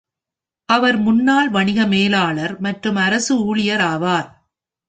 அவர் முன்னாள் வணிக மேலாளர் மற்றும் அரசு ஊழியர் ஆவார்.